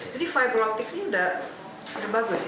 jadi fiber optic ini sudah bagus ya